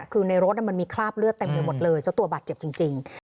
คือในรถมันมีคราบเลือดเต็มไปหมดเลยเจ้าตัวบาดเจ็บจริง